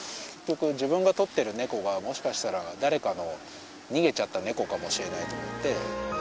自分が撮ってる猫がもしかしたら誰かの逃げちゃった猫かもしれないと思って。